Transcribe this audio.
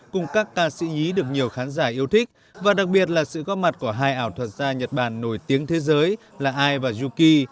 cùng các ca sĩ nhí được nhiều khán giả yêu thích và đặc biệt là sự góp mặt của hai ảo thuật gia nhật bản nổi tiếng thế giới là ai và yuki